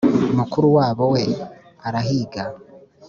mukuru wabo we arahiga